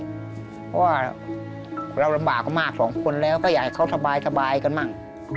เพราะว่าเราลำบากมากสองคนแล้วก็อยากให้เขาสบายกันบ้าง